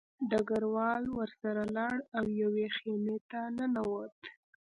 ډګروال ورسره لاړ او یوې خیمې ته ننوت